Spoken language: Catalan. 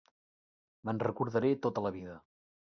Me'n recordaré tota la vida.